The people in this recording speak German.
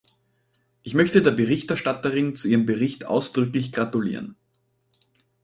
Ich möchte der Berichterstatterin zu ihrem Bericht ausdrücklich gratulieren.